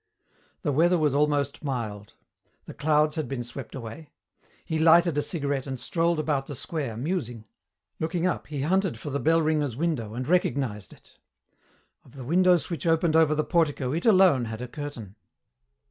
The weather was almost mild. The clouds had been swept away. He lighted a cigarette and strolled about the square, musing. Looking up he hunted for the bell ringer's window and recognized it. Of the windows which opened over the portico it alone had a curtain.